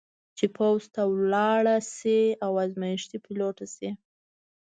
چې پوځ ته ولاړه شي او ازمېښتي پیلوټه شي.